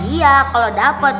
iya kalau dapat